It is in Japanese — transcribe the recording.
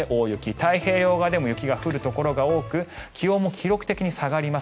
太平洋側でも雪が降るところが多く気温も記録的に下がります。